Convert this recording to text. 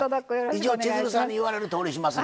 一応千鶴さんに言われるとおりしますんで。